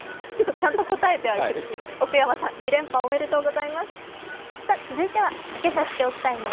ちゃんと応えてあげるっていう。